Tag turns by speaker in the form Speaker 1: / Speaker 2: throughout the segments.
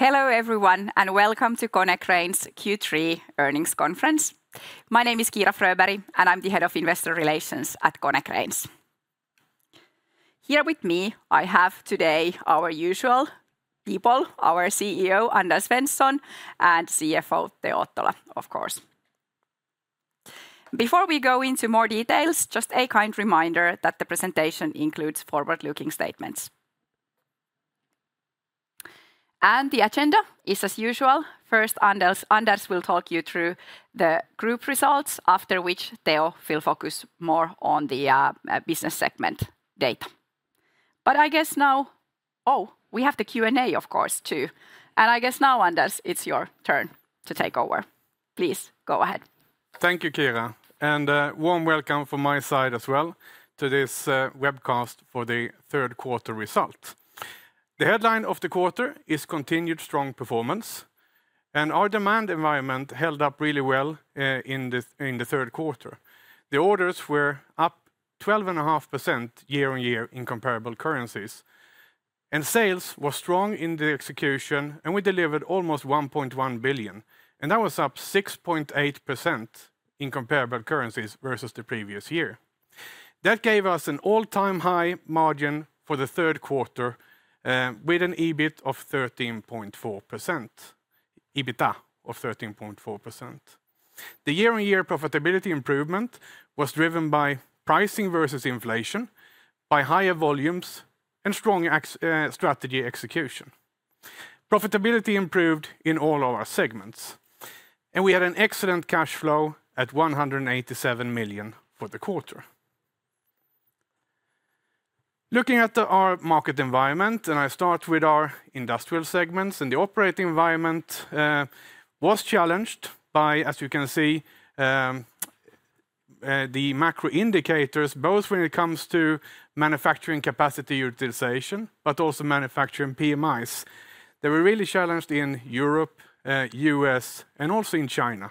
Speaker 1: Hello, everyone, and welcome to Konecranes Q3 earnings conference. My name is Kiira Fröberg, and I'm the Head of Investor Relations at Konecranes. Here with me, I have today our usual people, our CEO, Anders Svensson, and CFO, Teo Ottola, of course. Before we go into more details, just a kind reminder that the presentation includes forward-looking statements, and the agenda is as usual. First, Anders will talk you through the group results, after which Teo will focus more on the business segment data. But I guess now. Oh, we have the Q&A, of course, too, and I guess now, Anders, it's your turn to take over. Please, go ahead.
Speaker 2: Thank you, Kiira, and, warm welcome from my side as well to this, webcast for the third quarter result. The headline of the quarter is Continued Strong Performance, and our demand environment held up really well, in the third quarter. The orders were up 12.5% year on year in comparable currencies, and sales was strong in the execution, and we delivered almost 1.1 billion, and that was up 6.8% in comparable currencies versus the previous year. That gave us an all-time high margin for the third quarter, with an EBIT of 13.4%, EBITDA of 13.4%. The year-on-year profitability improvement was driven by pricing versus inflation, by higher volumes, and strong strategy execution. Profitability improved in all of our segments, and we had an excellent cash flow at 187 million for the quarter. Looking at our market environment, and I start with our industrial segments, and the operating environment was challenged by, as you can see, the macro indicators, both when it comes to manufacturing capacity utilization, but also manufacturing PMIs. They were really challenged in Europe, U.S., and also in China.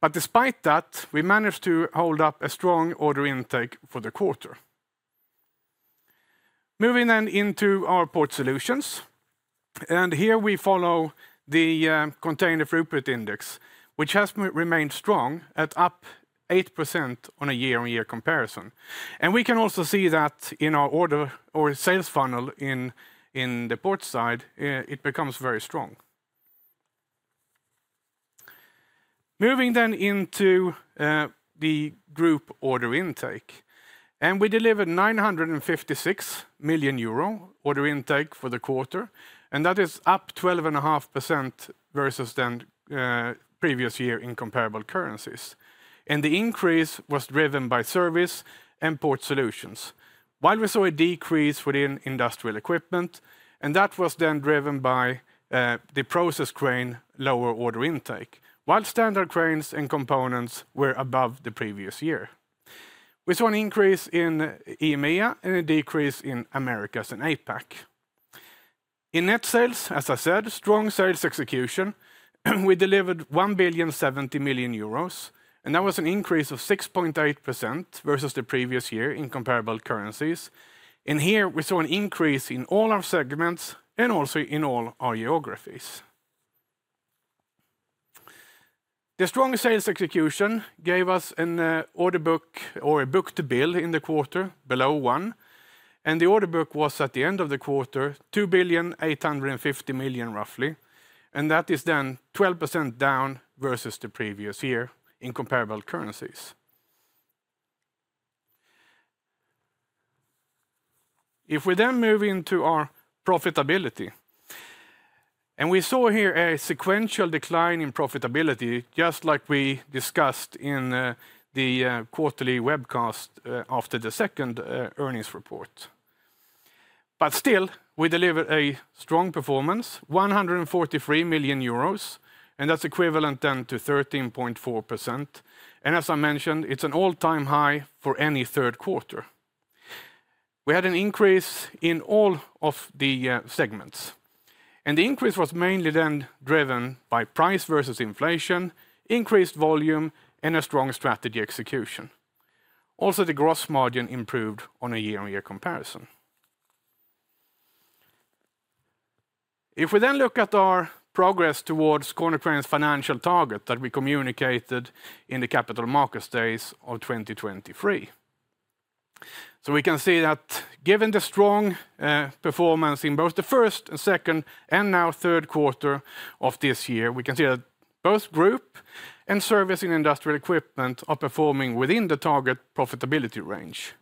Speaker 2: But despite that, we managed to hold up a strong order intake for the quarter. Moving then into our Port Solutions, and here we follow the Container Freight Index, which has remained strong at up 8% on a year-on-year comparison. And we can also see that in our order or sales funnel in the port side, it becomes very strong. Moving then into the group order intake, and we delivered 956 million euro order intake for the quarter, and that is up 12.5% versus the previous year in comparable currencies. The increase was driven by service and port solutions, while we saw a decrease within industrial equipment, and that was then driven by the process crane lower order intake, while standard cranes and components were above the previous year. We saw an increase in EMEA and a decrease in Americas and APAC. In net sales, as I said, strong sales execution, we delivered 1,070 million euros, and that was an increase of 6.8% versus the previous year in comparable currencies. Here, we saw an increase in all our segments and also in all our geographies. The strong sales execution gave us an order book or a book-to-bill in the quarter below one, and the order book was, at the end of the quarter, 2.85 billion, roughly, and that is then 12% down versus the previous year in comparable currencies. If we then move into our profitability, and we saw here a sequential decline in profitability, just like we discussed in the quarterly webcast after the second earnings report. But still, we delivered a strong performance, 143 million euros, and that's equivalent then to 13.4%, and as I mentioned, it's an all-time high for any third quarter. We had an increase in all of the segments, and the increase was mainly then driven by price versus inflation, increased volume, and a strong strategy execution. Also, the gross margin improved on a year-on-year comparison. If we then look at our progress towards Konecranes' financial target that we communicated in the Capital Markets Day of 2023, so we can see that given the strong performance in both the first and second and now third quarter of this year, we can see that both Group and Service and Industrial Equipment are performing within the target profitability range,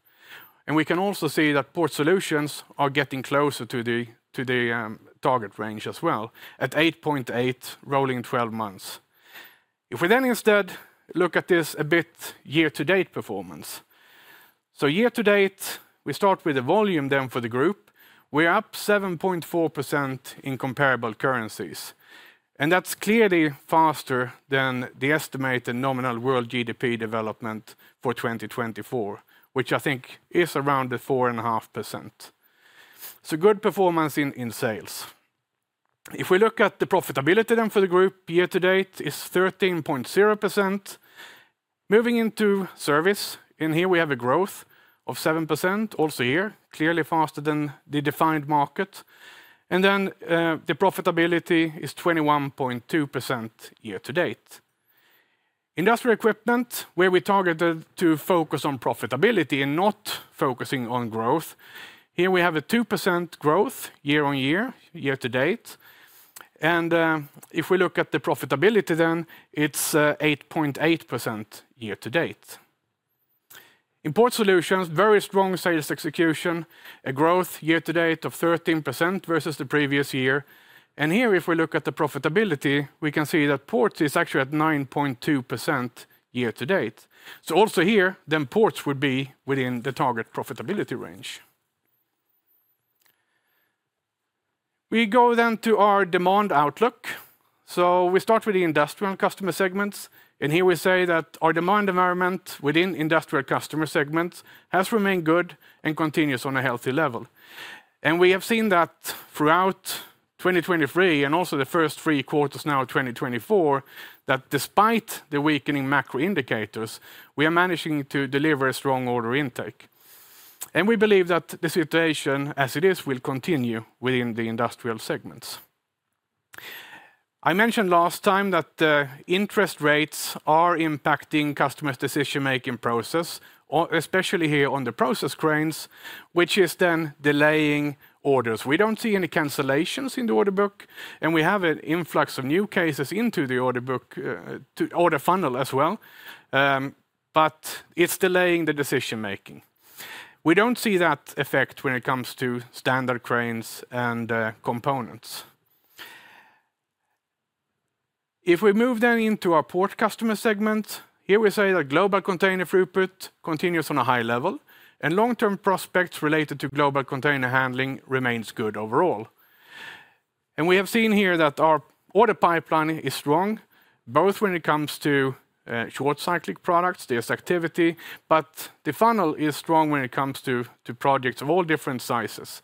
Speaker 2: and we can also see that Port Solutions are getting closer to the target range as well, at 8.8, rolling 12 months. If we then instead look at this a bit year-to-date performance, so year to date, we start with the volume then for the Group. We're up 7.4% in comparable currencies, and that's clearly faster than the estimated nominal world GDP development for 2024, which I think is around the 4.5%. So good performance in sales. If we look at the profitability then for the group, year to date is 13.0%. Moving into Service, in here we have a growth of 7% also here, clearly faster than the defined market. And then, the profitability is 21.2% year to date. Industrial Equipment, where we targeted to focus on profitability and not focusing on growth, here we have a 2% growth year on year, year to date. And, if we look at the profitability then, it's 8.8% year to date. Port Solutions, very strong sales execution, a growth year to date of 13% versus the previous year. Here, if we look at the profitability, we can see that ports is actually at 9.2% year to date. Also here, ports would be within the target profitability range. We go then to our demand outlook. We start with the industrial customer segments, and here we say that our demand environment within industrial customer segments has remained good and continues on a healthy level. We have seen that throughout 2023, and also the first three quarters now of 2024, that despite the weakening macro indicators, we are managing to deliver a strong order intake. We believe that the situation, as it is, will continue within the industrial segments. I mentioned last time that interest rates are impacting customers' decision-making process, or especially here on the process cranes, which is then delaying orders. We don't see any cancellations in the order book, and we have an influx of new cases into the order book to order funnel as well, but it's delaying the decision making. We don't see that effect when it comes to standard cranes and components. If we move then into our port customer segment, here we say that global container throughput continues on a high level, and long-term prospects related to global container handling remains good overall. We have seen here that our order pipeline is strong, both when it comes to short cyclic products, there's activity, but the funnel is strong when it comes to projects of all different sizes.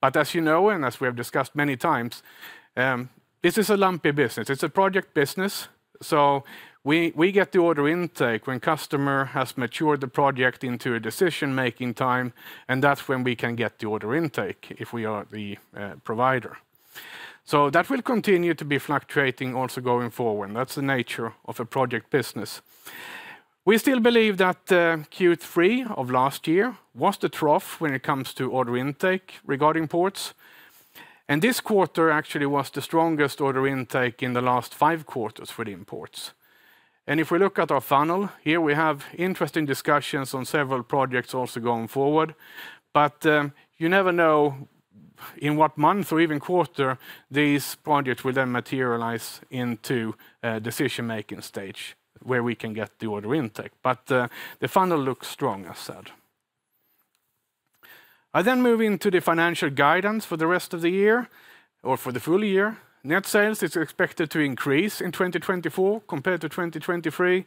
Speaker 2: But as you know, and as we have discussed many times, this is a lumpy business. It's a project business, so we get the order intake when customer has matured the project into a decision-making time, and that's when we can get the order intake, if we are the provider. So that will continue to be fluctuating also going forward, that's the nature of a project business. We still believe that Q3 of last year was the trough when it comes to order intake regarding ports, and this quarter actually was the strongest order intake in the last five quarters for the ports. And if we look at our funnel, here we have interesting discussions on several projects also going forward. You never know in what month or even quarter these projects will then materialize into a decision-making stage, where we can get the order intake. The funnel looks strong, as said. I then move into the financial guidance for the rest of the year or for the full year. Net sales is expected to increase in 2024 compared to 2023,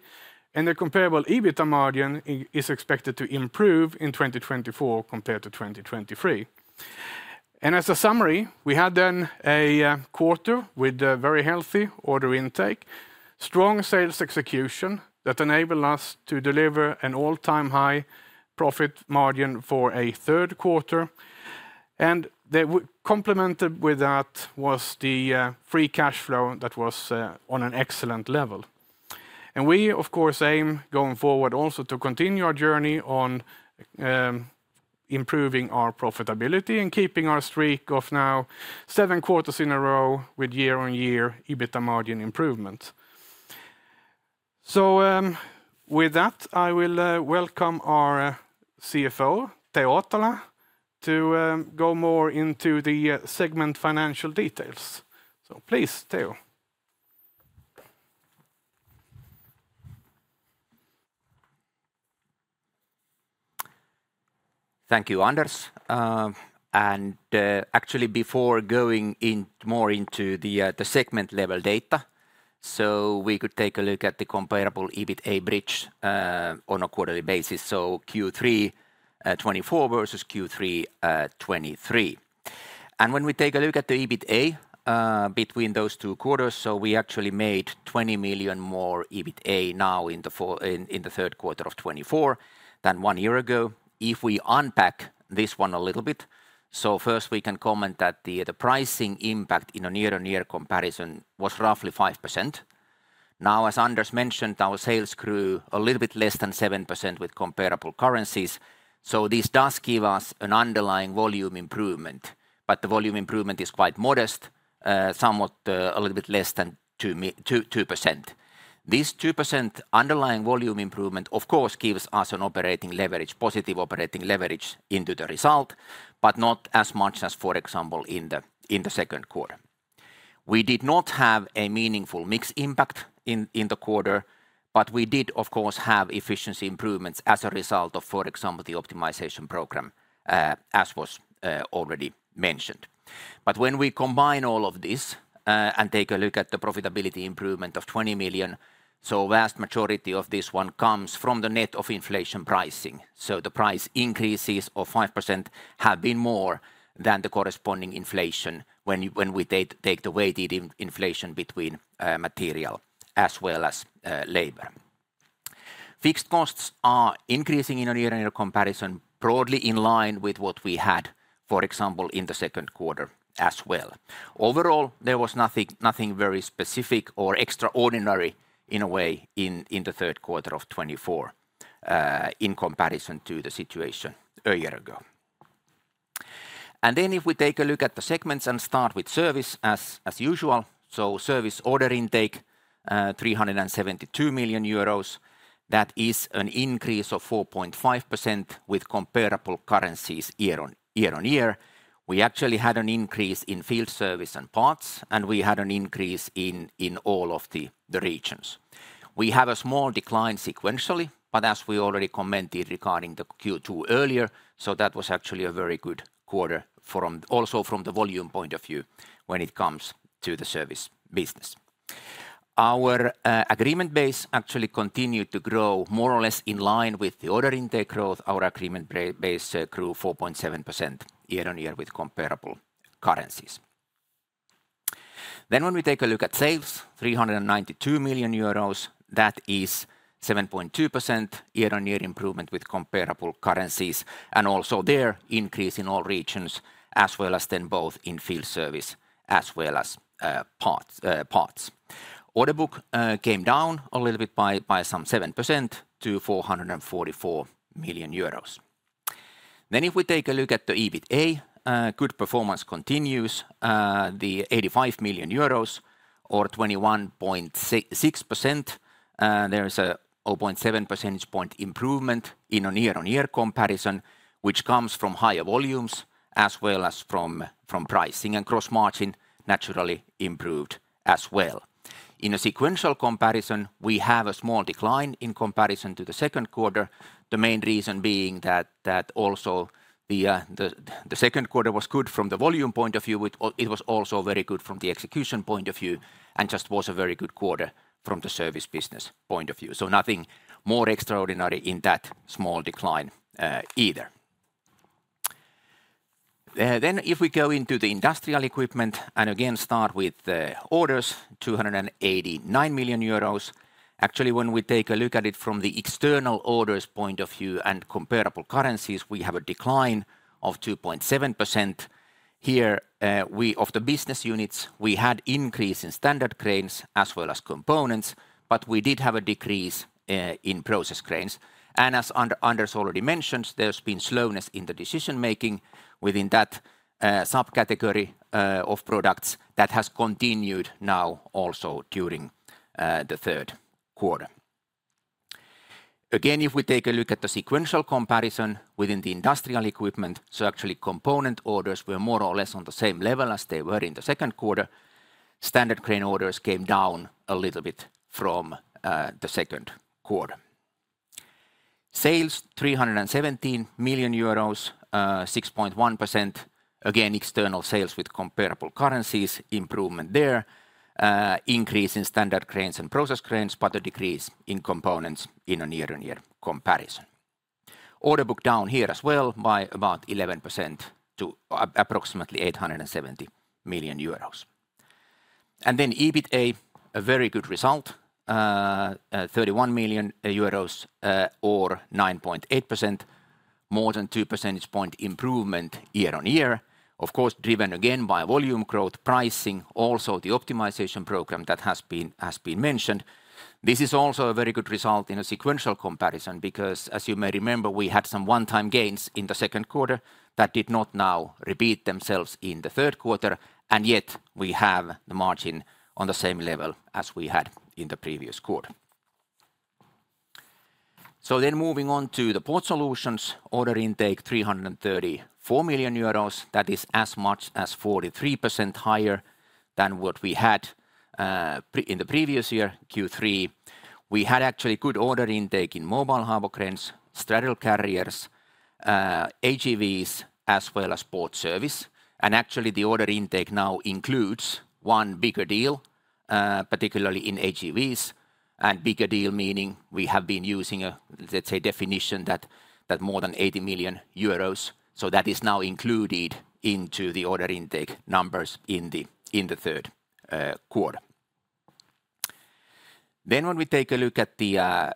Speaker 2: and the comparable EBITA margin is expected to improve in 2024 compared to 2023. As a summary, we had then a quarter with a very healthy order intake, strong sales execution that enabled us to deliver an all-time high profit margin for a third quarter. Complemented with that was the free cash flow that was on an excellent level. And we, of course, aim, going forward, also to continue our journey on improving our profitability and keeping our streak of now seven quarters in a row with year-on-year EBITA margin improvement. So, with that, I will welcome our CFO, Teo Ottola, to go more into the segment financial details. So please, Teo.
Speaker 3: Thank you, Anders. Actually, before going in more into the segment-level data, we could take a look at the comparable EBITA bridge on a quarterly basis, so Q3 2024 versus Q3 2023. When we take a look at the EBITA between those two quarters, we actually made 20 million more EBITA now in the third quarter of 2024 than one year ago. If we unpack this one a little bit, first we can comment that the pricing impact in a year-on-year comparison was roughly 5%. Now, as Anders mentioned, our sales grew a little bit less than 7% with comparable currencies, so this does give us an underlying volume improvement. The volume improvement is quite modest, somewhat a little bit less than 2%. This 2% underlying volume improvement, of course, gives us an operating leverage, positive operating leverage into the result, but not as much as, for example, in the second quarter. We did not have a meaningful mix impact in the quarter, but we did, of course, have efficiency improvements as a result of, for example, the Optimization Program, as was already mentioned. But when we combine all of this, and take a look at the profitability improvement of 20 million, so vast majority of this one comes from the net of inflation pricing. So the price increases of 5% have been more than the corresponding inflation when we take the weighted inflation between material as well as labor. Fixed costs are increasing in a year-on-year comparison, broadly in line with what we had, for example, in the second quarter as well. Overall, there was nothing very specific or extraordinary, in a way, in the third quarter of 2024, in comparison to the situation a year ago. Then if we take a look at the segments and start with service as usual. So service order intake, 372 million euros, that is an increase of 4.5% with comparable currencies year-on-year. We actually had an increase in field service and parts, and we had an increase in all of the regions. We have a small decline sequentially, but as we already commented regarding the Q2 earlier, so that was actually a very good quarter from... Also from the volume point of view, when it comes to the service business. Our agreement base actually continued to grow more or less in line with the order intake growth. Our agreement base grew 4.7% year on year with comparable currencies. Then when we take a look at sales, 392 million euros, that is 7.2% year-on-year improvement with comparable currencies, and also there increase in all regions, as well as then both in field service, as well as parts. Order book came down a little bit by some 7% to 444 million euros. Then if we take a look at the EBITA, good performance continues, the 85 million euros or 21.6%. There is a 0.7 percentage point improvement in a year-on-year comparison, which comes from higher volumes as well as from pricing and gross margin, naturally improved as well. In a sequential comparison, we have a small decline in comparison to the second quarter. The main reason being that also the second quarter was good from the volume point of view. It was also very good from the execution point of view, and just was a very good quarter from the service business point of view. So nothing more extraordinary in that small decline, either. Then, if we go into the industrial equipment and again start with the orders, 289 million euros. Actually, when we take a look at it from the external orders point of view and comparable currencies, we have a decline of 2.7%. Here, of the business units, we had increase in standard cranes as well as components, but we did have a decrease in process cranes. And as Anders already mentioned, there's been slowness in the decision-making within that subcategory of products that has continued now also during the third quarter. Again, if we take a look at the sequential comparison within the industrial equipment, so actually component orders were more or less on the same level as they were in the second quarter. Standard crane orders came down a little bit from the second quarter. Sales, EUR 317 million, 6.1%. Again, external sales with comparable currencies, improvement there. Increase in standard cranes and process cranes, but a decrease in components in a year-on-year comparison. Order book down here as well by about 11% to approximately 870 million euros. Then EBITA, a very good result, 31 million euros, or 9.8%. More than two percentage point improvement year on year. Of course, driven again by volume growth, pricing, also the optimization program that has been mentioned. This is also a very good result in a sequential comparison, because, as you may remember, we had some one-time gains in the second quarter that did not now repeat themselves in the third quarter, and yet we have the margin on the same level as we had in the previous quarter. So then moving on to the Port Solutions order intake, 334 million euros, that is as much as 43% higher than what we had in the previous year, Q3. We had actually good order intake in mobile harbor cranes, straddle carriers, AGVs, as well as port service. And actually, the order intake now includes one bigger deal, particularly in AGVs. And bigger deal, meaning we have been using a, let's say, definition that more than 80 million euros. So that is now included into the order intake numbers in the third quarter. Then when we take a look at the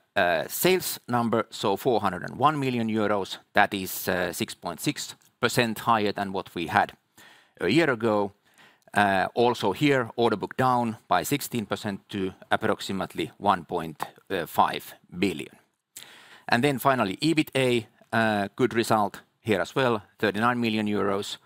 Speaker 3: sales number, so 401 million euros, that is 6.6% higher than what we had a year ago. Also here, order book down by 16% to approximately 1.5 billion. Then finally, EBITA, a good result here as well, 39 million euros.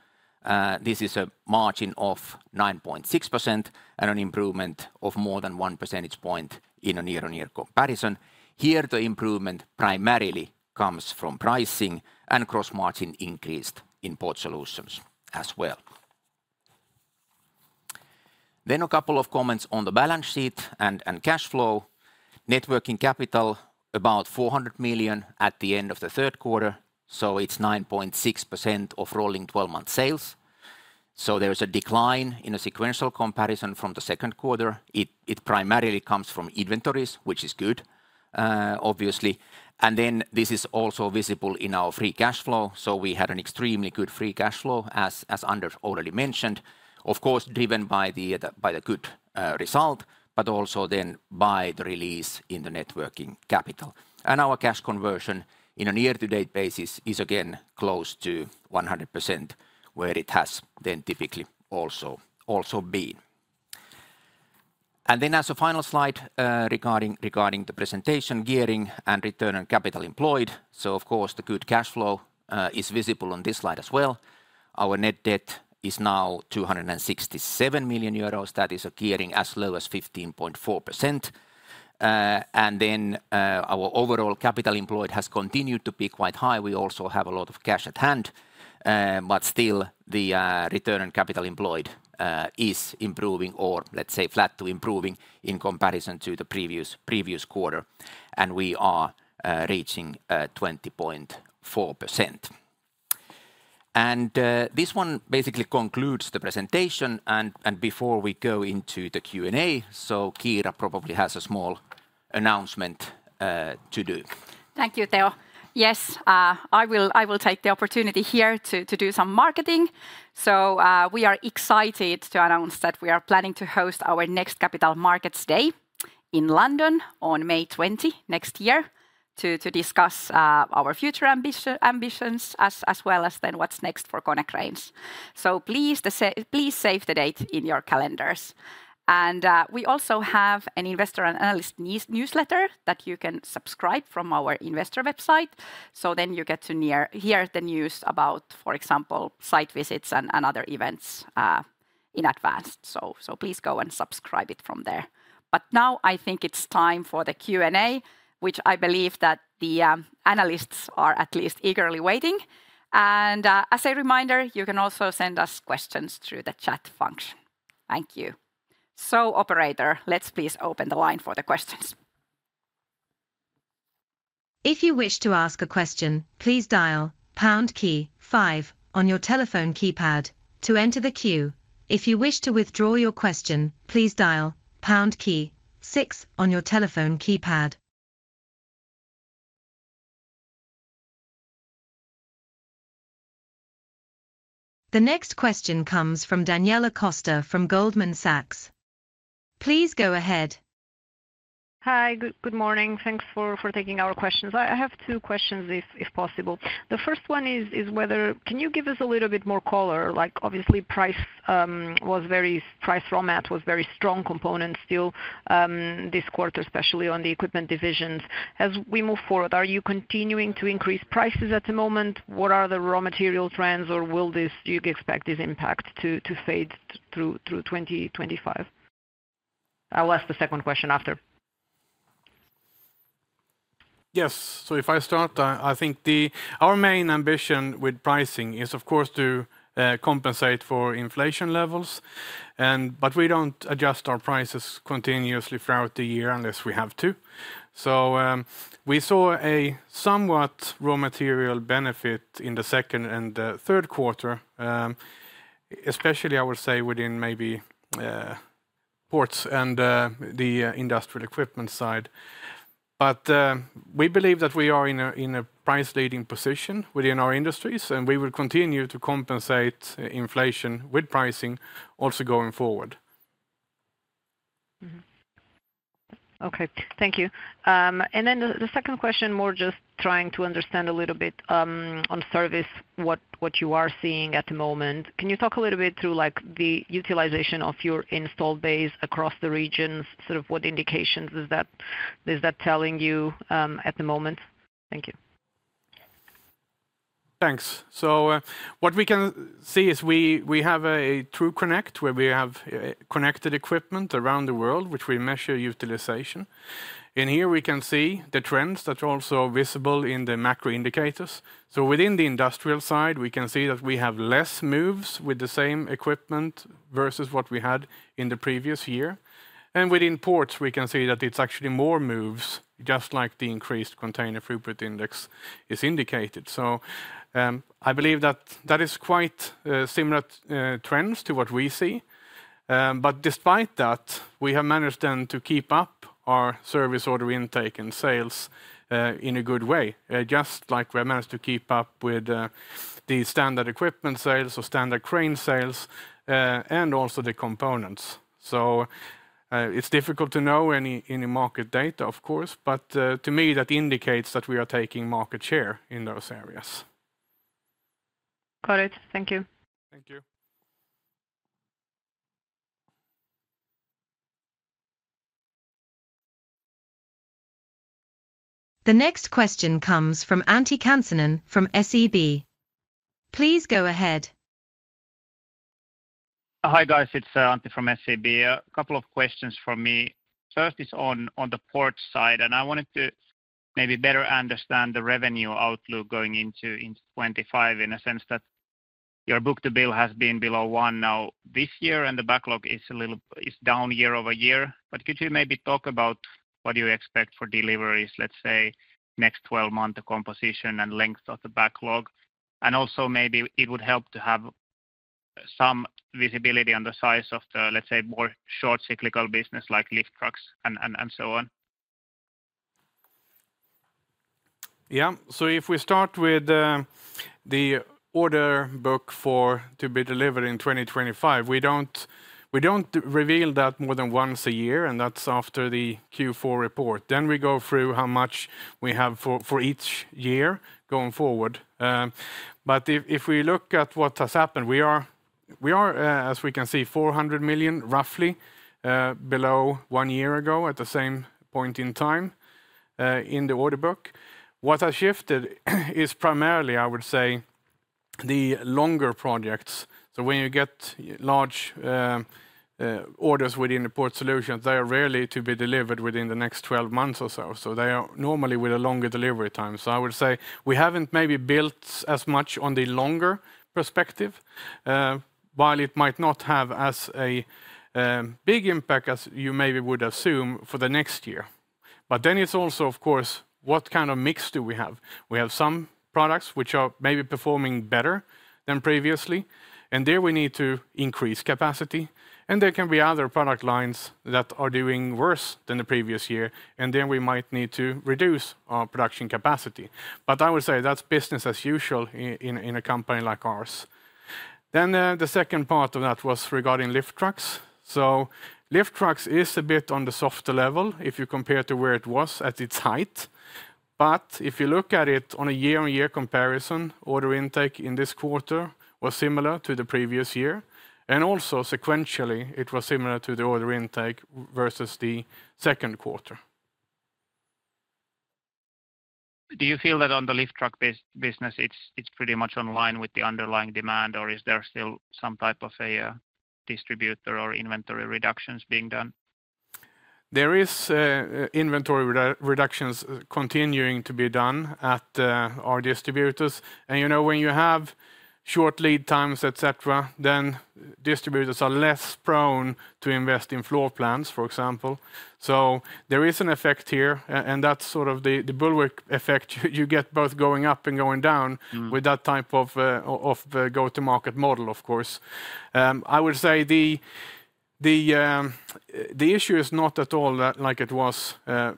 Speaker 3: This is a margin of 9.6% and an improvement of more than one percentage point in a year-on-year comparison. Here, the improvement primarily comes from pricing and gross margin increased in Port Solutions as well. Then a couple of comments on the balance sheet and cash flow. Net working capital, about 400 million at the end of the third quarter, so it's 9.6% of rolling 12-month sales. So there is a decline in a sequential comparison from the second quarter. It primarily comes from inventories, which is good, obviously. Then this is also visible in our free cash flow, so we had an extremely good free cash flow, as Anders already mentioned. Of course, driven by the good result, but also then by the release in the net working capital. And our cash conversion on a year-to-date basis is again close to 100%, where it has been typically also been. And then as a final slide regarding the presentation, gearing and return on capital employed. So of course, the good cash flow is visible on this slide as well. Our net debt is now 267 million euros. That is gearing as low as 15.4%. And then our overall capital employed has continued to be quite high. We also have a lot of cash at hand, but still, the return on capital employed is improving, or let's say flat to improving, in comparison to the previous quarter, and we are reaching 20.4%. And this one basically concludes the presentation and before we go into the Q&A, so Kiira probably has a small announcement to do.
Speaker 1: Thank you, Teo. Yes, I will take the opportunity here to do some marketing. So, we are excited to announce that we are planning to host our next Capital Markets Day in London on May twenty next year, to discuss our future ambitions, as well as then what's next for Konecranes. So please save the date in your calendars. And, we also have an investor and analyst newsletter that you can subscribe from our investor website. So then you get to hear the news about, for example, site visits and other events in advance. So, please go and subscribe it from there. But now I think it's time for the Q&A, which I believe that the analysts are at least eagerly waiting. And, as a reminder, you can also send us questions through the chat function. Thank you. So, operator, let's please open the line for the questions.
Speaker 4: If you wish to ask a question, please dial pound key five on your telephone keypad to enter the queue. If you wish to withdraw your question, please dial pound key six on your telephone keypad. The next question comes from Daniela Costa from Goldman Sachs. Please go ahead.
Speaker 5: Hi, good morning. Thanks for taking our questions. I have two questions, if possible. The first one is whether... Can you give us a little bit more color? Like, obviously, price raw mat was very strong component still, this quarter, especially on the equipment divisions. As we move forward, are you continuing to increase prices at the moment? What are the raw material trends, or will this, do you expect this impact to fade through 2025? I'll ask the second question after.
Speaker 2: Yes. So if I start, I think our main ambition with pricing is, of course, to compensate for inflation levels, and but we don't adjust our prices continuously throughout the year unless we have to. So, we saw a somewhat raw material benefit in the second and the third quarter, especially, I would say, within maybe ports and the industrial equipment side. But, we believe that we are in a price-leading position within our industries, and we will continue to compensate inflation with pricing also going forward.
Speaker 5: Mm-hmm. Okay, thank you. And then the second question, more just trying to understand a little bit, on service, what you are seeing at the moment. Can you talk a little bit through, like, the utilization of your installed base across the regions, sort of what indications is that, is that telling you, at the moment? Thank you. Thanks. So, what we can see is we have a TRUCONNECT, where we have connected equipment around the world, which we measure utilization. And here we can see the trends that are also visible in the macro indicators. Within the industrial side, we can see that we have less moves with the same equipment versus what we had in the previous year. And within ports, we can see that it's actually more moves, just like the increased container throughput index is indicated. I believe that that is quite similar trends to what we see. But despite that, we have managed then to keep up our service order intake and sales in a good way, just like we managed to keep up with the standard equipment sales or standard crane sales, and also the components. It's difficult to know any market data, of course, but to me, that indicates that we are taking market share in those areas. Got it. Thank you.
Speaker 2: Thank you.
Speaker 4: The next question comes from Antti Kansanen from SEB. Please go ahead.
Speaker 6: Hi, guys, it's Antti from SEB. A couple of questions from me. First is on the port side, and I wanted to maybe better understand the revenue outlook going into 2025, in a sense that your book-to-bill has been below one now this year, and the backlog is a little down year over year. But could you maybe talk about what you expect for deliveries, let's say, next twelve-month composition and length of the backlog? And also, maybe it would help to have some visibility on the size of the, let's say, more short cyclical business, like lift trucks and so on?
Speaker 2: Yeah. So if we start with the order book for to be delivered in 2025, we don't reveal that more than once a year, and that's after the Q4 report. Then we go through how much we have for each year going forward. But if we look at what has happened, we are as we can see, 400 million, roughly, below one year ago at the same point in time, in the order book. What has shifted is primarily, I would say, the longer projects. So when you get large orders within the Port Solutions, they are rarely to be delivered within the next 12 months or so, so they are normally with a longer delivery time. So I would say, we haven't maybe built as much on the longer perspective, while it might not have as a big impact as you maybe would assume for the next year. But then it's also, of course, what kind of mix do we have? We have some products which are maybe performing better than previously, and there we need to increase capacity, and there can be other product lines that are doing worse than the previous year, and then we might need to reduce our production capacity. But I would say that's business as usual in a company like ours. Then, the second part of that was regarding lift trucks. So lift trucks is a bit on the softer level, if you compare to where it was at its height. But if you look at it on a year-on-year comparison, order intake in this quarter was similar to the previous year, and also sequentially, it was similar to the order intake versus the second quarter.
Speaker 6: Do you feel that on the lift truck business, it's pretty much in line with the underlying demand, or is there still some type of a distributor or inventory reductions being done?
Speaker 2: There is inventory reductions continuing to be done at our distributors. And, you know, when you have short lead times, et cetera, then distributors are less prone to invest in floor plans, for example. So there is an effect here, and that's sort of the bullwhip effect you get both going up and going down- Mm... with that type of go-to-market model, of course. I would say the issue is not at all like it was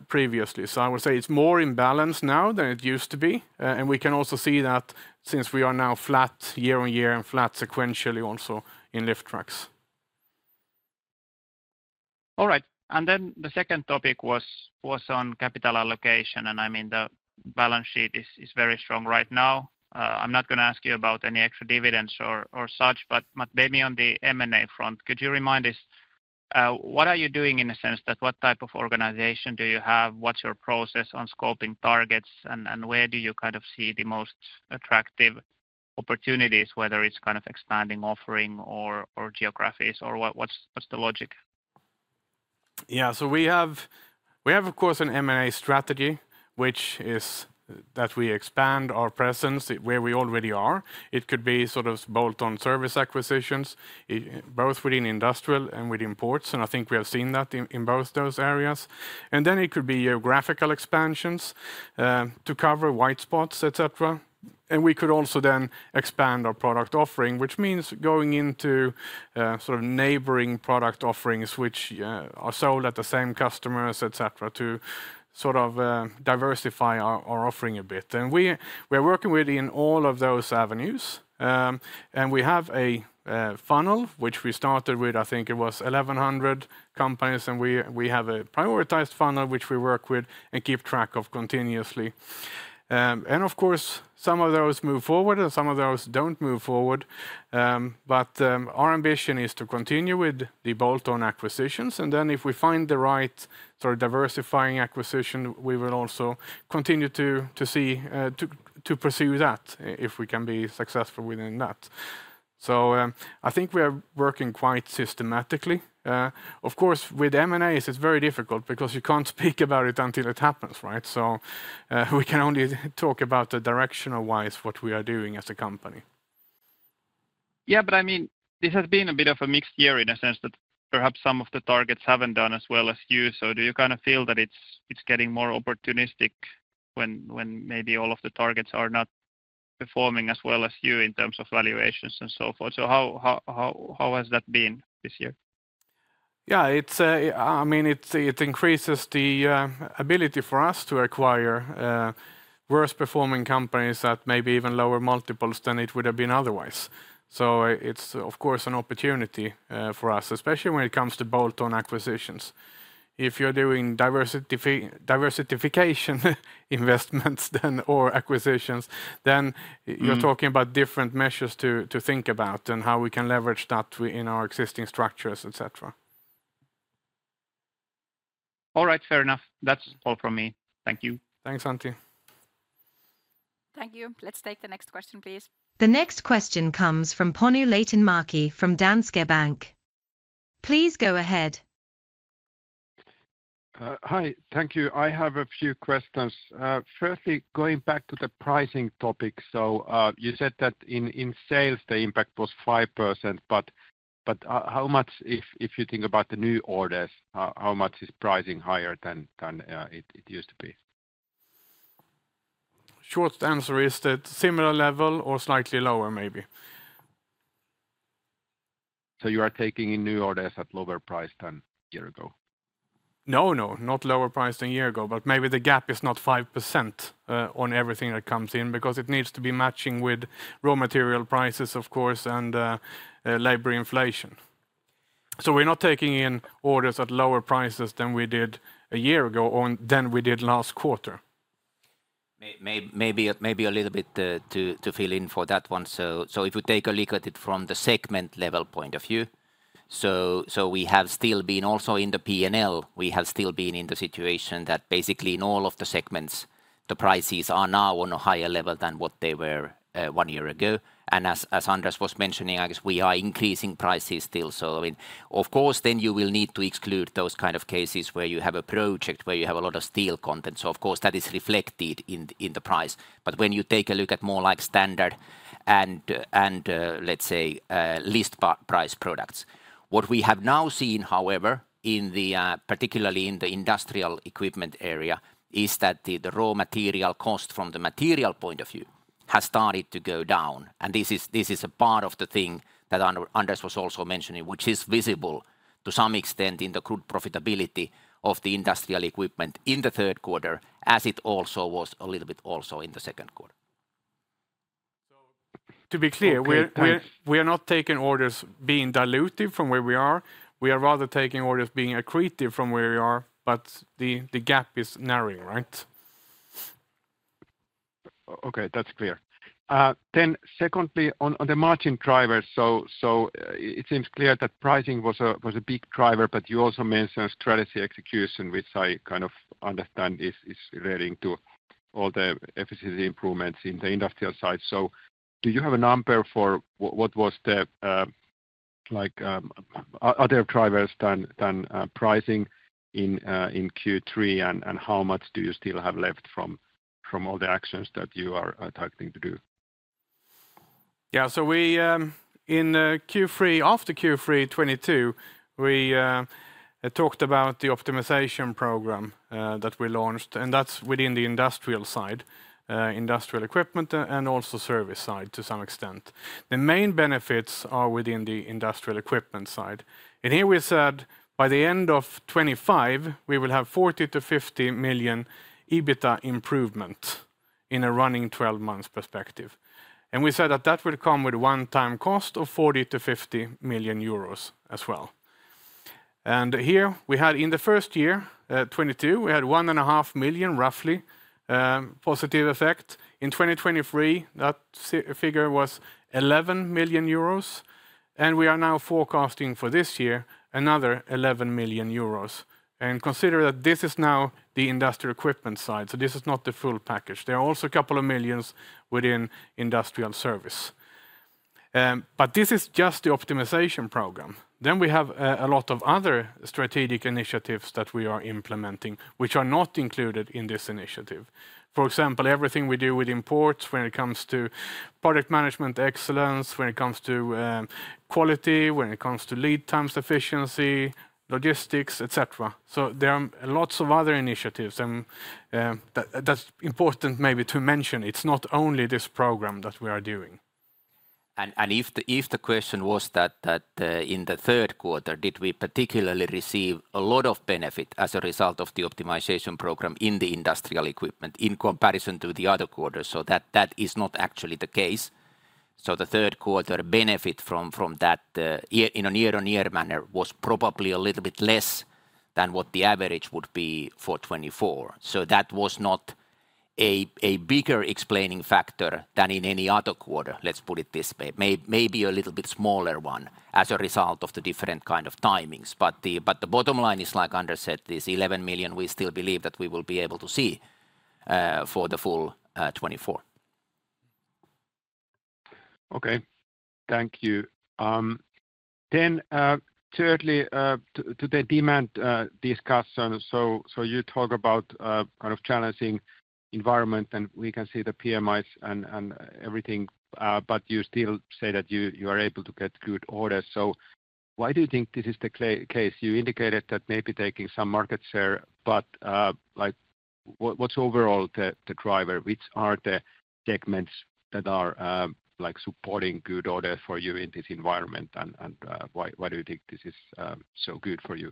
Speaker 2: previously. So I would say it's more in balance now than it used to be. And we can also see that since we are now flat year on year and flat sequentially also in lift trucks. All right, and then the second topic was on capital allocation, and, I mean, the balance sheet is very strong right now. I'm not gonna ask you about any extra dividends or such, but maybe on the M&A front, could you remind us what are you doing in the sense that, what type of organization do you have? What's your process on scoping targets, and where do you kind of see the most attractive opportunities, whether it's kind of expanding, offering, or geographies, or what, what's the logic? Yeah. We have, of course, an M&A strategy, which is that we expand our presence where we already are. It could be sort of bolt-on service acquisitions both within industrial and within ports, and I think we have seen that in both those areas. And then it could be geographical expansions to cover white spots, et cetera. And we could also then expand our product offering, which means going into sort of neighboring product offerings which are sold at the same customers, et cetera, to sort of diversify our offering a bit. And we're working within all of those avenues. And we have a funnel, which we started with, I think it was 1,100 companies, and we have a prioritized funnel, which we work with and keep track of continuously. And of course, some of those move forward and some of those don't move forward. But, our ambition is to continue with the bolt-on acquisitions, and then if we find the right sort of diversifying acquisition, we will also continue to see, to pursue that, if we can be successful within that. So, I think we are working quite systematically. Of course, with M&As, it's very difficult because you can't speak about it until it happens, right? So, we can only talk about the directional-wise, what we are doing as a company.
Speaker 6: Yeah, but I mean, this has been a bit of a mixed year in a sense that perhaps some of the targets haven't done as well as you. So do you kinda feel that it's getting more opportunistic when maybe all of the targets are not performing as well as you in terms of valuations and so forth? So how has that been this year?
Speaker 2: Yeah, it's, I mean, it increases the ability for us to acquire worse-performing companies at maybe even lower multiples than it would have been otherwise. So it's, of course, an opportunity for us, especially when it comes to bolt-on acquisitions. If you're doing diversification investments, then... or acquisitions, then-
Speaker 6: Mm...
Speaker 2: you're talking about different measures to think about, and how we can leverage that to, in our existing structures, et cetera.
Speaker 6: All right, fair enough. That's all from me. Thank you.
Speaker 2: Thanks, Andy.
Speaker 1: Thank you. Let's take the next question, please.
Speaker 4: The next question comes from Panu Laitinmäki, from Danske Bank. Please go ahead.
Speaker 7: Hi. Thank you. I have a few questions. Firstly, going back to the pricing topic, so you said that in sales, the impact was 5%, but how much, if you think about the new orders, how much is pricing higher than it used to be?...
Speaker 2: shortest answer is that similar level or slightly lower, maybe.
Speaker 7: So you are taking in new orders at lower price than a year ago?
Speaker 2: No, no, not lower price than a year ago, but maybe the gap is not 5%, on everything that comes in, because it needs to be matching with raw material prices, of course, and labor inflation. So we're not taking in orders at lower prices than we did a year ago, or than we did last quarter.
Speaker 3: Maybe, maybe a little bit, to fill in for that one. So if you take a look at it from the segment level point of view, we have still been also in the P&L. We have still been in the situation that basically in all of the segments, the prices are now on a higher level than what they were one year ago. And as Anders was mentioning, I guess we are increasing prices still. So, I mean, of course, then you will need to exclude those kind of cases where you have a project, where you have a lot of steel content. So of course, that is reflected in the price. But when you take a look at more like standard and, let's say, list price products. What we have now seen, however, particularly in the industrial equipment area, is that the raw material cost from the material point of view has started to go down. And this is a part of the thing that Anders was also mentioning, which is visible to some extent in the gross profitability of the industrial equipment in the third quarter, as it also was a little bit in the second quarter.
Speaker 2: To be clear-
Speaker 7: Okay, thank-...
Speaker 2: we are not taking orders being dilutive from where we are. We are rather taking orders being accretive from where we are, but the gap is narrowing, right?
Speaker 7: Okay, that's clear. Then secondly, on the margin drivers, so it seems clear that pricing was a big driver, but you also mentioned strategy execution, which I kind of understand is relating to all the efficiency improvements in the industrial side. So do you have a number for what was the like other drivers than pricing in Q3? And how much do you still have left from all the actions that you are targeting to do?
Speaker 2: Yeah. So we in Q3. After Q3 2022, we talked about the Optimization Program that we launched, and that's within the industrial side, Industrial Equipment and also Service side to some extent. The main benefits are within the Industrial Equipment side. And here we said, by the end of 2025, we will have 40 million-50 million EBITDA improvement in a running twelve months perspective. And we said that that would come with one-time cost of 40 million-50 million euros as well. And here we had in the first year, 2022, we had 1.5 million, roughly, positive effect. In 2023, that figure was 11 million euros, and we are now forecasting for this year, another 11 million euros. And consider that this is now the Industrial Equipment side, so this is not the full package. There are also a couple of millions within industrial service. But this is just the optimization program. Then we have a lot of other strategic initiatives that we are implementing, which are not included in this initiative. For example, everything we do with improvements, when it comes to product management excellence, when it comes to quality, when it comes to lead times efficiency, logistics, et cetera. So there are lots of other initiatives, and that's important maybe to mention. It's not only this program that we are doing.
Speaker 3: If the question was that in the third quarter, did we particularly receive a lot of benefit as a result of the optimization program in the industrial equipment, in comparison to the other quarters? That is not actually the case. The third quarter benefit from that year-on-year manner was probably a little bit less than what the average would be for 2024. That was not a bigger explaining factor than in any other quarter, let's put it this way. Maybe a little bit smaller one, as a result of the different kind of timings. The bottom line is, like Anders said, this 11 million, we still believe that we will be able to see for the full 2024.
Speaker 7: Okay, thank you. Then, thirdly, to the demand discussion, so you talk about kind of challenging environment, and we can see the PMIs and everything, but you still say that you are able to get good orders. So why do you think this is the case? You indicated that maybe taking some market share, but like, what, what's overall the driver? Which are the segments that are like supporting good order for you in this environment? And why do you think this is so good for you?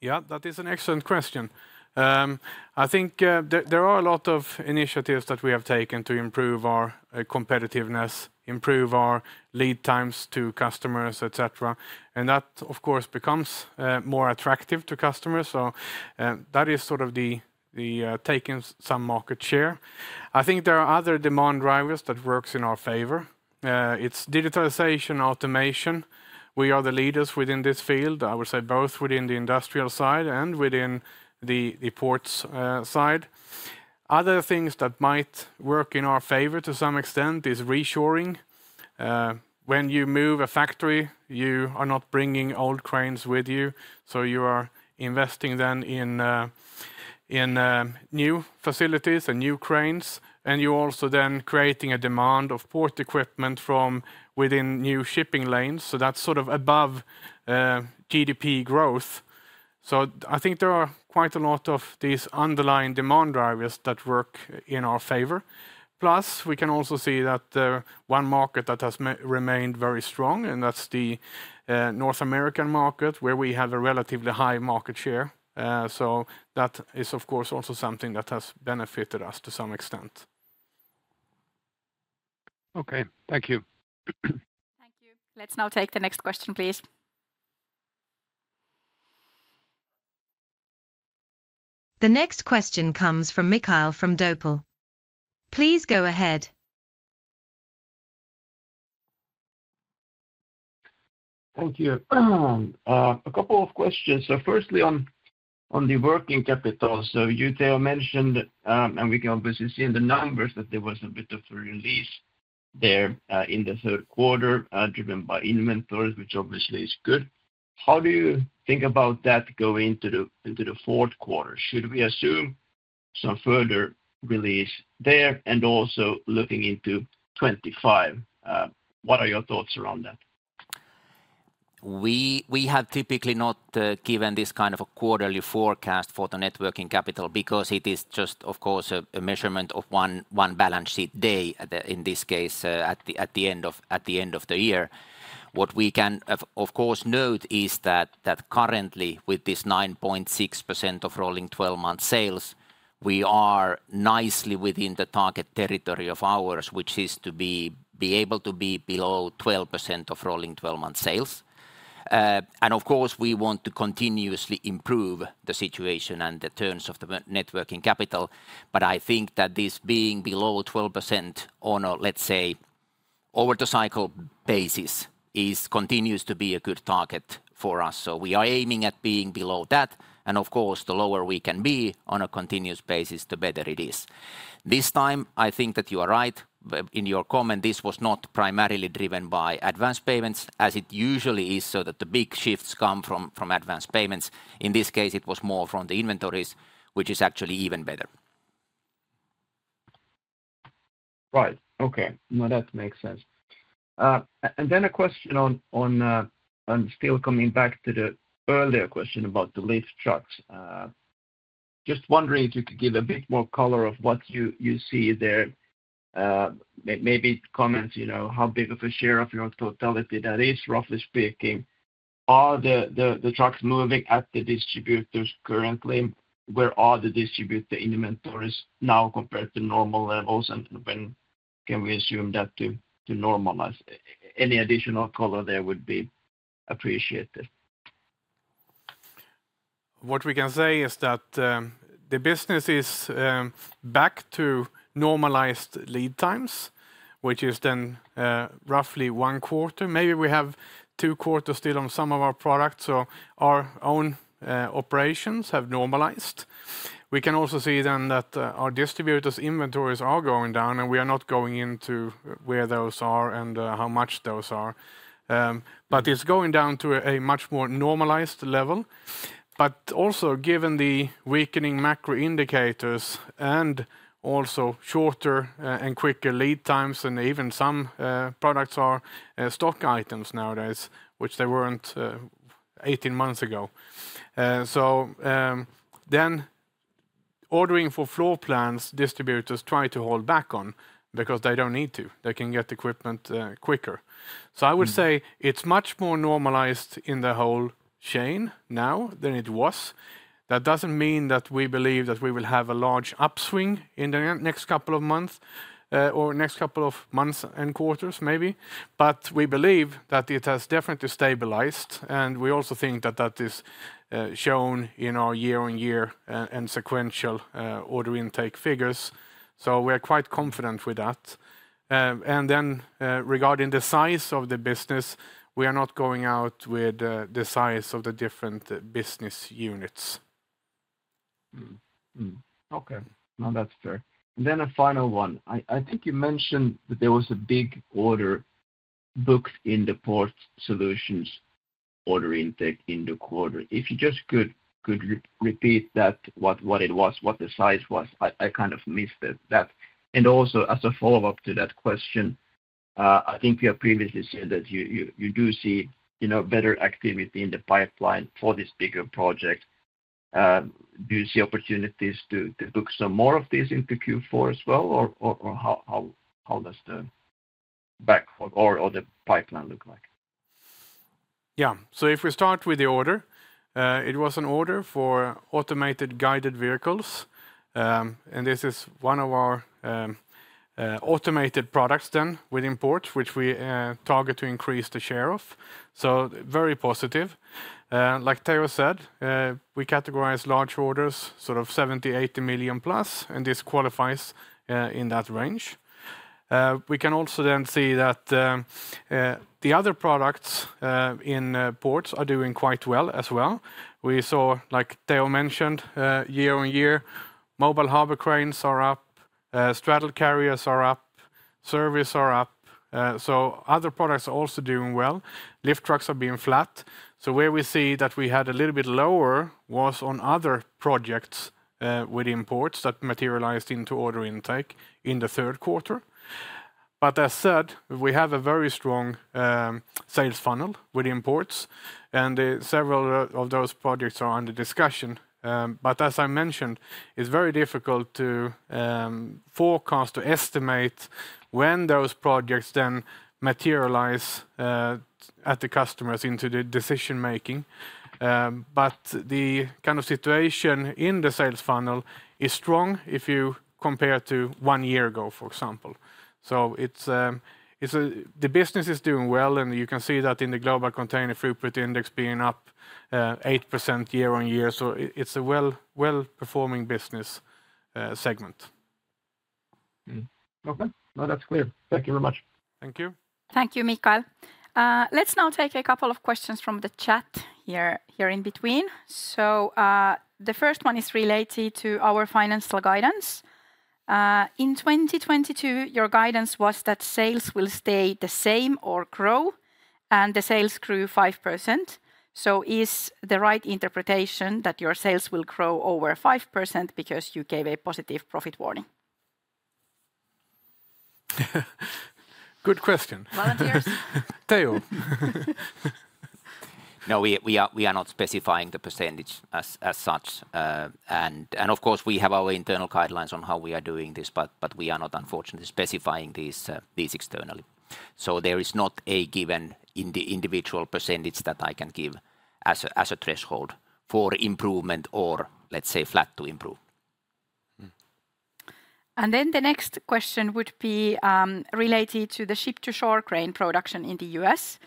Speaker 2: Yeah, that is an excellent question. I think, there, there are a lot of initiatives that we have taken to improve our competitiveness, improve our lead times to customers, et cetera. And that, of course, becomes more attractive to customers. So, that is sort of the taking some market share. I think there are other demand drivers that works in our favor. It's digitalization, automation. We are the leaders within this field, I would say, both within the industrial side and within the ports side. Other things that might work in our favor, to some extent, is reshoring. When you move a factory, you are not bringing old cranes with you, so you are investing then in... in new facilities and new cranes, and you're also then creating a demand of port equipment from within new shipping lanes, so that's sort of above GDP growth. So I think there are quite a lot of these underlying demand drivers that work in our favor. Plus, we can also see that one market that has remained very strong, and that's the North American market, where we have a relatively high market share. So that is, of course, also something that has benefited us to some extent.
Speaker 6: Okay, thank you.
Speaker 1: Thank you. Let's now take the next question, please.
Speaker 4: The next question comes from Mikael Doepel. Please go ahead.
Speaker 8: Thank you. A couple of questions. So firstly, on the working capital, so you, Teo, mentioned, and we can obviously see in the numbers that there was a bit of a release there in the third quarter, driven by inventories, which obviously is good. How do you think about that going into the fourth quarter? Should we assume some further release there, and also looking into 2025, what are your thoughts around that?
Speaker 3: We have typically not given this kind of a quarterly forecast for the net working capital because it is just, of course, a measurement of one balance sheet day at the end of the year in this case. What we can, of course, note is that currently, with this 9.6% of rolling 12-month sales, we are nicely within the target territory of ours, which is to be able to be below 12% of rolling 12-month sales. And of course, we want to continuously improve the situation and the terms of the net working capital, but I think that this being below 12% on a, let's say, order cycle basis continues to be a good target for us. So we are aiming at being below that, and of course, the lower we can be on a continuous basis, the better it is. This time, I think that you are right in your comment. This was not primarily driven by advanced payments, as it usually is, so that the big shifts come from advanced payments. In this case, it was more from the inventories, which is actually even better. Right. Okay. No, that makes sense. And then a question on and still coming back to the earlier question about the lift trucks. Just wondering if you could give a bit more color of what you see there. Maybe comment, you know, how big of a share of your totality that is, roughly speaking. Are the trucks moving at the distributors currently? Where are the distributor inventories now compared to normal levels, and when can we assume that to normalize? Any additional color there would be appreciated.
Speaker 2: What we can say is that the business is back to normalized lead times, which is then roughly one quarter. Maybe we have two quarters still on some of our products, so our own operations have normalized. We can also see then that our distributors' inventories are going down, and we are not going into where those are and how much those are, but it's going down to a much more normalized level, but also given the weakening macro indicators and also shorter and quicker lead times, and even some products are stock items nowadays, which they weren't 18 months ago, so then ordering for floor plans, distributors try to hold back on because they don't need to. They can get equipment quicker. So I would say it's much more normalized in the whole chain now than it was. That doesn't mean that we believe that we will have a large upswing in the next couple of months or next couple of months and quarters, maybe, but we believe that it has definitely stabilized, and we also think that that is shown in our year-on-year and sequential order intake figures, so we are quite confident with that. And then, regarding the size of the business, we are not going out with the size of the different business units.
Speaker 8: Okay. No, that's fair. And then a final one. I think you mentioned that there was a big order booked in the Port Solutions order intake in the quarter. If you just could repeat that, what it was, what the size was. I kind of missed it, that. And also, as a follow-up to that question, I think you have previously said that you do see, you know, better activity in the pipeline for this bigger project. Do you see opportunities to book some more of this into Q4 as well, or how does the backlog or the pipeline look like?
Speaker 2: Yeah, so if we start with the order, it was an order for automated guided vehicles. And this is one of our automated products then within port, which we target to increase the share of, so very positive. Like Teo said, we categorize large orders, sort of 70-80 million plus, and this qualifies in that range. We can also then see that the other products in ports are doing quite well as well. We saw, like Teo mentioned, year on year mobile harbor cranes are up, straddle carriers are up, service are up. So other products are also doing well. Lift trucks are being flat, so where we see that we had a little bit lower was on other projects with imports that materialized into order intake in the third quarter. But as said, we have a very strong sales funnel with ports, and several of those projects are under discussion. But as I mentioned, it's very difficult to forecast, to estimate when those projects then materialize at the customers into the decision-making. But the kind of situation in the sales funnel is strong if you compare to one year ago, for example. So it's the business is doing well, and you can see that in the global container throughput index being up 8% year on year. So it's a well-performing business segment.
Speaker 8: Mm-hmm. Okay. No, that's clear. Thank you very much.
Speaker 2: Thank you.
Speaker 1: Thank you, Michael. Let's now take a couple of questions from the chat here in between. So, the first one is related to our financial guidance. "In 2022, your guidance was that sales will stay the same or grow, and the sales grew 5%. So is the right interpretation that your sales will grow over 5% because you gave a positive profit warning?
Speaker 2: Good question.
Speaker 1: Volunteers?
Speaker 2: Teo.
Speaker 3: No, we are not specifying the percentage as such. and of course, we have our internal guidelines on how we are doing this, but we are not, unfortunately, specifying these externally. so there is not a given in the individual percentage that I can give as a threshold for improvement or, let's say, flat to improve.
Speaker 2: Mm.
Speaker 1: Then the next question would be related to the Ship-to-Shore crane production in the U.S.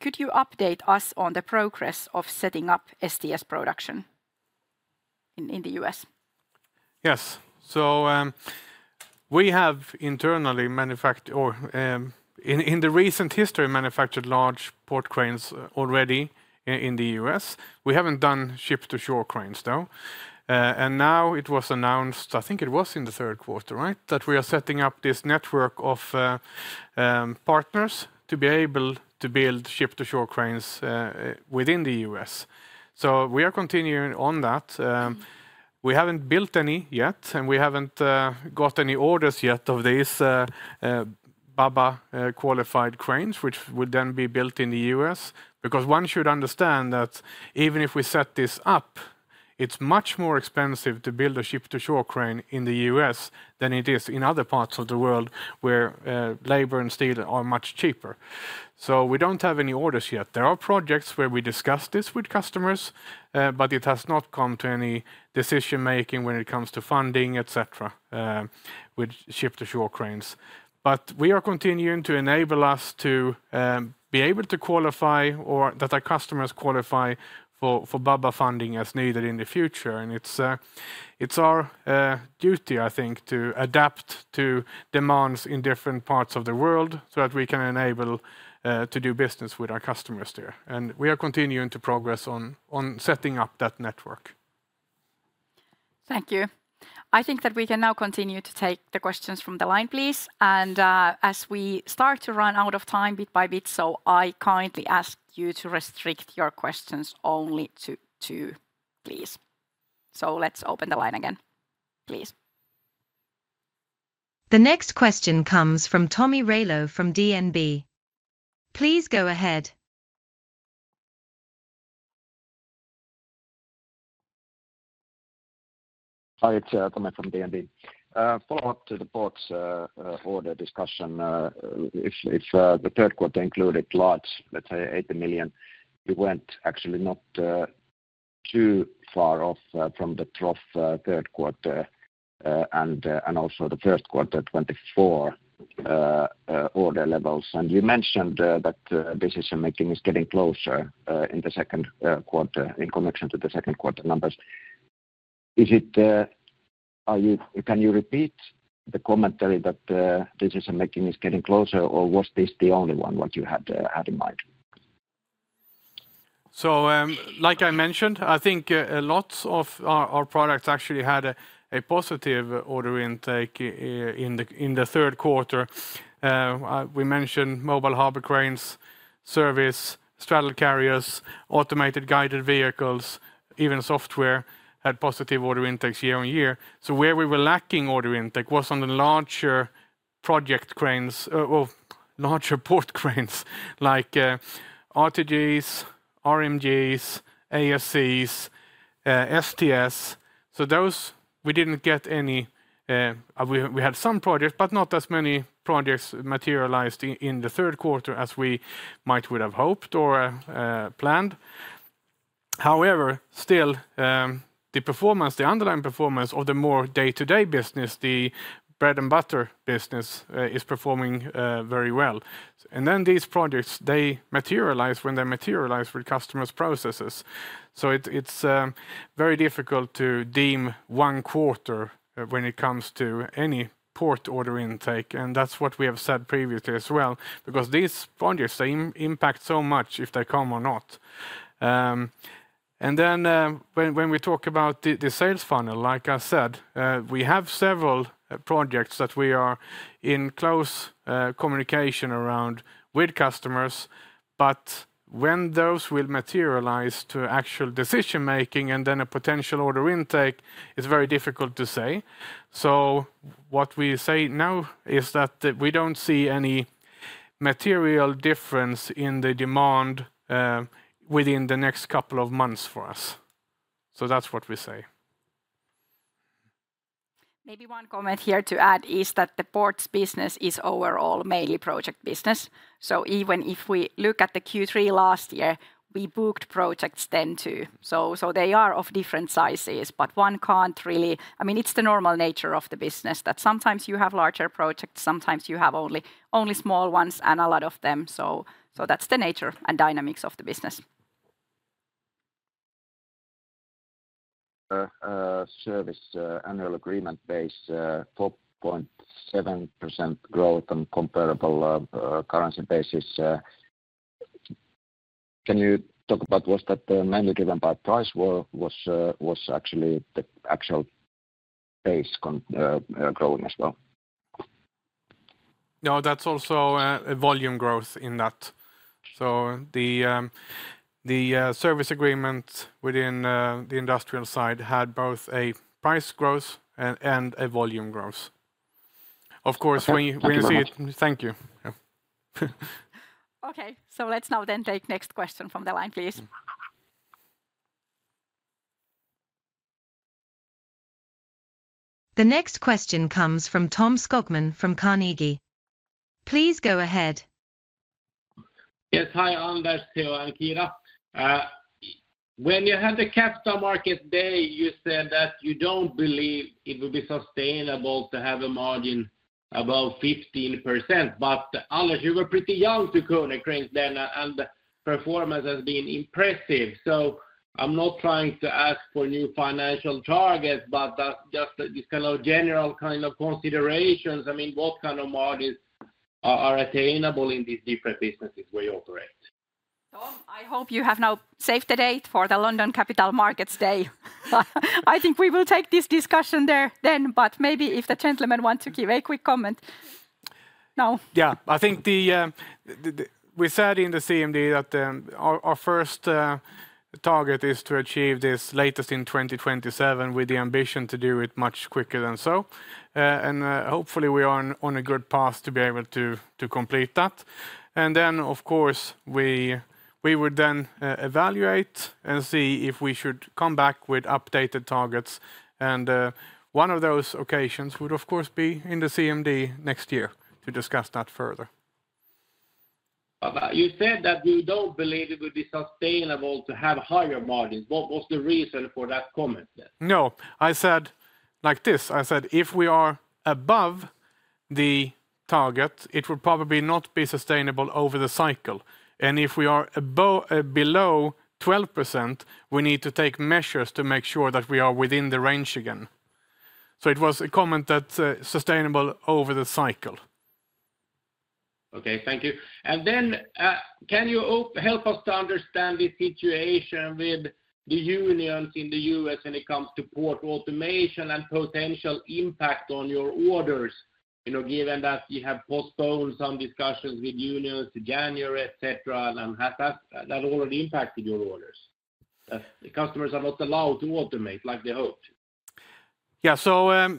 Speaker 1: Could you update us on the progress of setting up STS production in the U.S.?
Speaker 2: Yes. So, we have internally manufactured or, in the recent history, manufactured large port cranes already in the U.S. We haven't done ship-to-shore cranes, though, and now it was announced, I think it was in the third quarter, right? That we are setting up this network of partners to be able to build ship-to-shore cranes within the U.S. So we are continuing on that. We haven't built any yet, and we haven't got any orders yet of these BABA qualified cranes, which would then be built in the U.S. Because one should understand that even if we set this up, it's much more expensive to build a ship-to-shore crane in the U.S. than it is in other parts of the world, where labor and steel are much cheaper, so we don't have any orders yet. There are projects where we discuss this with customers, but it has not come to any decision-making when it comes to funding, et cetera, with ship-to-shore cranes. But we are continuing to enable us to be able to qualify, or that our customers qualify for BABA funding as needed in the future. And it's our duty, I think, to adapt to demands in different parts of the world so that we can enable to do business with our customers there, and we are continuing to progress on setting up that network.
Speaker 1: Thank you. I think that we can now continue to take the questions from the line, please. And, as we start to run out of time bit by bit, so I kindly ask you to restrict your questions only to two, please. So let's open the line again, please.
Speaker 4: The next question comes from Tomi Railo from DNB. Please go ahead.
Speaker 9: Hi, it's Tomi from DNB. Follow-up to the ports order discussion. If the third quarter included large, let's say, 80 million, we went actually not too far off from the trough third quarter and also the first quarter 2024 order levels. And you mentioned that decision-making is getting closer in the second quarter, in connection to the second quarter numbers. Is it... Can you repeat the commentary that decision-making is getting closer, or was this the only one what you had had in mind?
Speaker 2: So, like I mentioned, I think lots of our products actually had a positive order intake in the third quarter. We mentioned mobile harbor cranes, service, straddle carriers, automated guided vehicles, even software had positive order intakes year on year. So where we were lacking order intake was on the larger project cranes, or larger port cranes like RTGs, RMGs, ASCs, STS. So those we didn't get any. We had some projects, but not as many projects materialized in the third quarter as we might would have hoped or planned. However, still, the performance, the underlying performance of the more day-to-day business, the bread-and-butter business, is performing very well. And then these projects, they materialize when they materialize for the customer's processes. It's very difficult to deem one quarter when it comes to any port order intake, and that's what we have said previously as well. Because these projects, they impact so much if they come or not. And then, when we talk about the sales funnel, like I said, we have several projects that we are in close communication around with customers, but when those will materialize to actual decision-making and then a potential order intake is very difficult to say. What we say now is that we don't see any material difference in the demand within the next couple of months for us. That's what we say.
Speaker 1: Maybe one comment here to add is that the ports business is overall mainly project business. So even if we look at the Q3 last year, we booked projects then, too. So they are of different sizes, but one can't really... I mean, it's the normal nature of the business, that sometimes you have larger projects, sometimes you have only small ones, and a lot of them. So that's the nature and dynamics of the business.
Speaker 9: Service annual agreement base 4.7% growth on comparable currency basis. Can you talk about was that mainly driven by price, or was actually the base growing as well?
Speaker 2: No, that's also a volume growth in that. So the service agreement within the industrial side had both a price growth and a volume growth. Of course-
Speaker 9: Okay...
Speaker 2: we see it. Thank you. Yeah.
Speaker 4: Okay, so let's now then take next question from the line, please. The next question comes from Tom Skogman from Carnegie. Please go ahead.
Speaker 10: Yes, hi, Anders, Teo, and Kiira. When you had the Capital Markets Day, you said that you don't believe it will be sustainable to have a margin above 15%, but Anders, you were pretty new to Konecranes then, and the performance has been impressive. So I'm not trying to ask for new financial targets, but just this kind of general kind of considerations. I mean, what kind of margins are attainable in these different businesses where you operate?
Speaker 1: Tom, I hope you have now saved the date for the London Capital Markets Day. I think we will take this discussion there then, but maybe if the gentleman want to give a quick comment now.
Speaker 2: Yeah, I think the. We said in the CMD that our first target is to achieve this latest in 2027, with the ambition to do it much quicker than so. And hopefully, we are on a good path to be able to complete that. Then, of course, we would then evaluate and see if we should come back with updated targets. And one of those occasions would, of course, be in the CMD next year to discuss that further.
Speaker 10: But, you said that you don't believe it would be sustainable to have higher margins. What was the reason for that comment then?
Speaker 2: No, I said like this: I said, "If we are above the target, it would probably not be sustainable over the cycle. And if we are below 12%, we need to take measures to make sure that we are within the range again." So it was a comment that sustainable over the cycle.
Speaker 10: Okay, thank you. And then, can you help us to understand the situation with the unions in the U.S. when it comes to port automation and potential impact on your orders? You know, given that you have postponed some discussions with unions to January, et cetera, and has that already impacted your orders, that the customers are not allowed to automate like they hoped?
Speaker 2: Yeah, so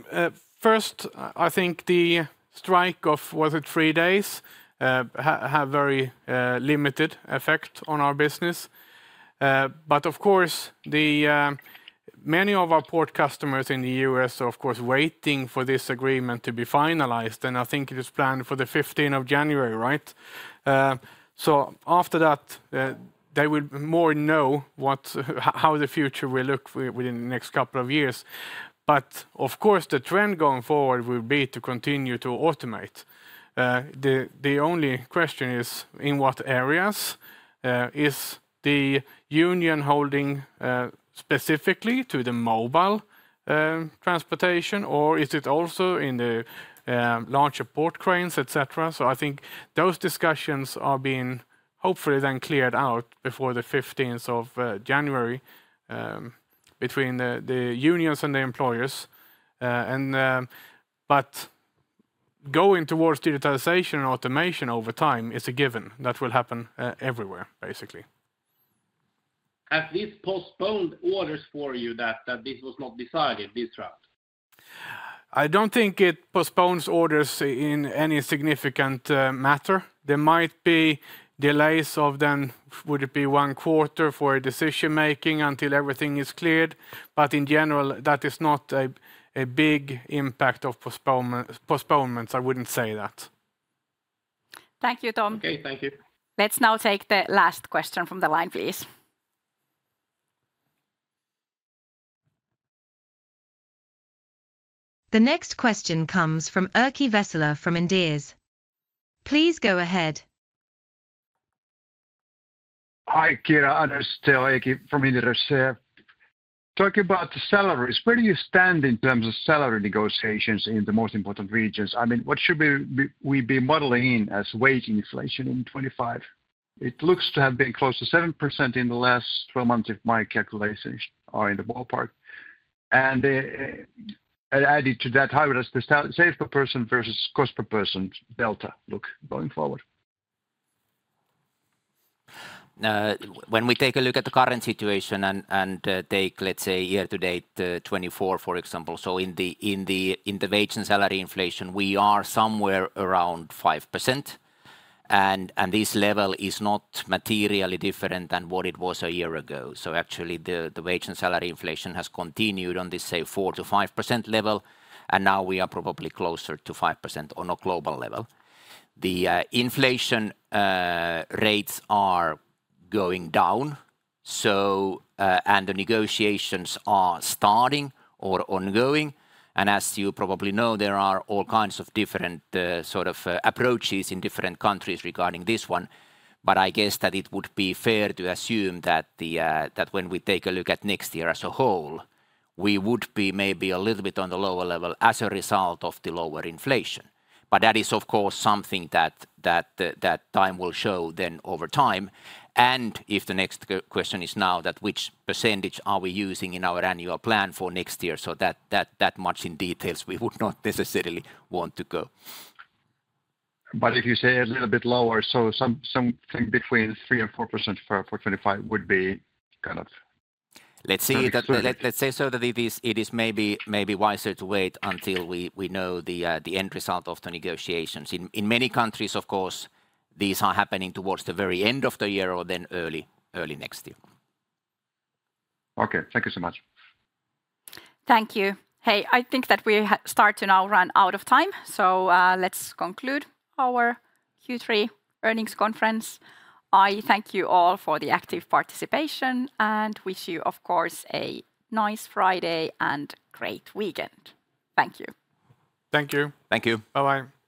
Speaker 2: first, I think the strike of, was it three days, had very limited effect on our business. But of course, many of our port customers in the U.S. are waiting for this agreement to be finalized, and I think it is planned for the 15th of January, right? After that, they will more know how the future will look within the next couple of years. But of course, the trend going forward will be to continue to automate. The only question is: in what areas? Is the union holding specifically to the mobile transportation, or is it also in the larger port cranes, et cetera? I think those discussions are being, hopefully, then cleared out before the 15th of January, between the unions and the employers. But going towards digitization and automation over time is a given. That will happen everywhere, basically.
Speaker 10: Has this postponed orders for you that, that this was not decided, this draft?
Speaker 2: I don't think it postpones orders in any significant matter. There might be delays of then, would it be one quarter for decision-making until everything is cleared? But in general, that is not a big impact of postponement, postponements. I wouldn't say that.
Speaker 1: Thank you, Tom.
Speaker 10: Okay, thank you.
Speaker 1: Let's now take the last question from the line, please.
Speaker 4: The next question comes from Erkki Vesola from Inderes. Please go ahead.
Speaker 11: Hi, Kiira, Anders, Teo, Erkki from Inderes here. Talking about the salaries, where do you stand in terms of salary negotiations in the most important regions? I mean, what should we be modeling in as wage inflation in 2025? It looks to have been close to 7% in the last twelve months, if my calculations are in the ballpark. And added to that, how does the sales per person versus cost per person delta look going forward?
Speaker 3: When we take a look at the current situation and take, let's say, year to date, 2024, for example. So in the wage and salary inflation, we are somewhere around 5%, and this level is not materially different than what it was a year ago. So actually, the wage and salary inflation has continued on this, say, 4%-5% level, and now we are probably closer to 5% on a global level. The inflation rates are going down, so... The negotiations are starting or ongoing. And as you probably know, there are all kinds of different, sort of, approaches in different countries regarding this one. But I guess that it would be fair to assume that the... That when we take a look at next year as a whole, we would be maybe a little bit on the lower level as a result of the lower inflation. But that is, of course, something that that time will show then over time. And if the next question is now that which percentage are we using in our annual plan for next year, so that much in details we would not necessarily want to go.
Speaker 11: But if you say a little bit lower, so something between 3% and 4% for 2025 would be kind of-
Speaker 3: Let's say that.
Speaker 11: -
Speaker 3: Let's say so that it is maybe wiser to wait until we know the end result of the negotiations. In many countries, of course, these are happening towards the very end of the year or then early next year.
Speaker 11: Okay. Thank you so much.
Speaker 1: Thank you. Hey, I think that we start to now run out of time, so let's conclude our Q3 earnings conference. I thank you all for the active participation, and wish you, of course, a nice Friday and great weekend. Thank you.
Speaker 2: Thank you.
Speaker 3: Thank you.
Speaker 2: Bye-bye.